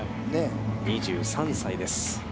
２３歳です。